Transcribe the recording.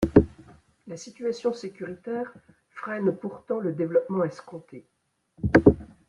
La situation sécuritaire freine pourtant le développement escompté.